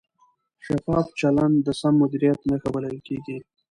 شفاف چلند د سم مدیریت نښه بلل کېږي.